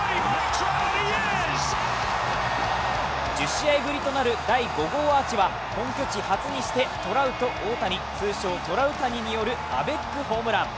１０試合ぶりとなる第５号アーチは、本拠地初にしてトラウト、オオタニ通称・トラウタニによるアベックホームラン。